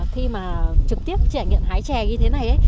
khi mà trực tiếp trải nghiệm hái trà như thế này ấy